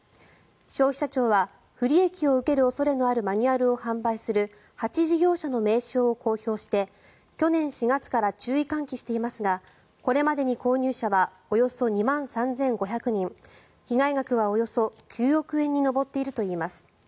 消費者庁は不利益を受ける恐れがあるマニュアルを販売する８事業者の名称を公表して去年４月から注意喚起していますがこれまでに購入者はおよそ２万３５００人被害額はおよそ９億円に上っているといいます。